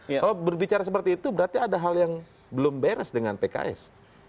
kalau berbicara seperti itu berarti ada hal yang belum beres dengan pks